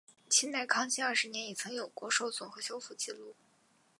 清代康熙二十年也曾有过受损和修复纪录。